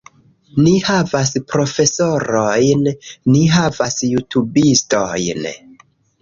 Ni havas profesorojn, ni havas jutubistojn